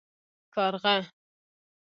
🐦⬛ کارغه